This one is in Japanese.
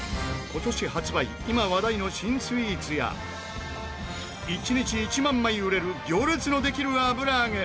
今話題の新スイーツや１日１万枚売れる行列のできるあぶらあげ。